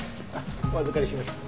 お預かりしましょう。